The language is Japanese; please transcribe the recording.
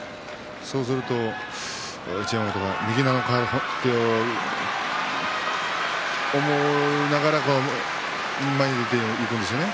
そうすると一山本は右なのか？と思ってそう思いながら前に出ていくんですね。